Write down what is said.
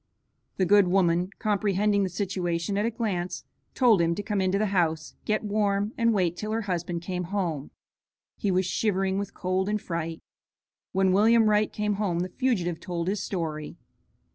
The good woman, comprehending the situation at a glance, told him to come into the house, get warm, and wait till her husband came home. He was shivering with cold and fright. When William Wright came home the fugitive told his story.